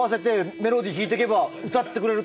ンメロディー弾いてけば歌ってくれる？